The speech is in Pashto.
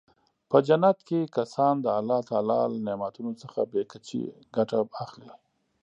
په جنت کې کسان د الله تعالی له نعمتونو څخه بې کچې ګټه اخلي.